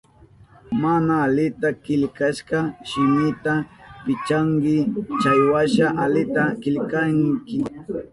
Mana alita killkashka shimita pichanki, chaywasha alita killkanki.